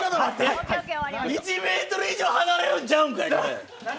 １ｍ以上離れるんやちゃうんか。